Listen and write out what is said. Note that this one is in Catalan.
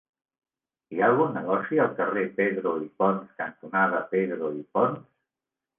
Hi ha algun negoci al carrer Pedro i Pons cantonada Pedro i Pons?